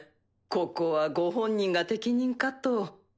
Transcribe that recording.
ここはご本人が適任かと。